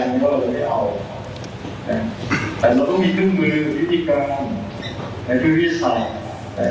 และนี่จะเป็นสิ่งอย่างที่คือนักว่าสีแดงนี่เราจะเอา